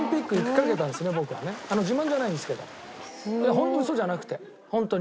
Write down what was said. ホントウソじゃなくてホントに。